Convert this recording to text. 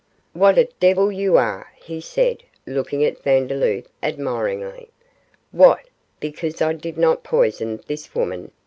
'What a devil you are!' he said, looking at Vandeloup admiringly. 'What, because I did not poison this woman?